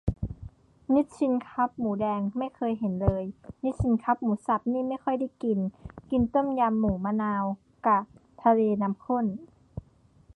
นิชชินคัพหมูแดงไม่เคยเห็นเลย นิชชินคัพหมูสับนี่ไม่ค่อยได้กิน กินต้มยำ หมูมะนาว กะ ทะเลน้ำข้น